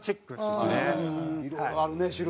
いろいろあるね種類ね。